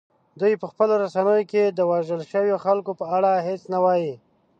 دوی په خپلو رسنیو کې د وژل شویو خلکو په اړه هیڅ نه وايي